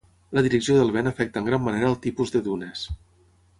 La direcció del vent afecta en gran manera el tipus de dunes.